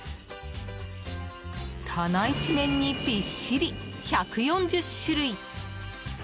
棚一面にびっしり１４０種類。